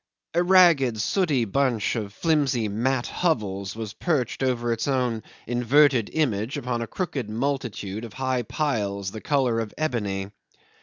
A ragged, sooty bunch of flimsy mat hovels was perched over its own inverted image upon a crooked multitude of high piles the colour of ebony.